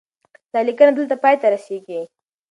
دا لیکنه دلته پای ته رسیږي.